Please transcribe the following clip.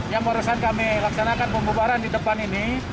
yang barusan kami laksanakan pembubaran di depan ini